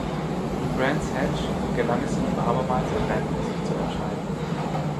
In Brands Hatch gelang es ihm abermals ein Rennen für sich zu entscheiden.